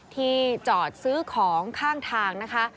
ที่จอดซื้อของข้างทางนะคะ